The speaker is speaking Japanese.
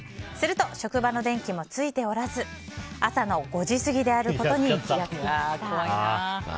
すると職場の電気もついておらず朝の５時過ぎであることに気が付きました。